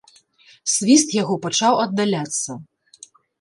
Свіст яго пачаў аддаляцца.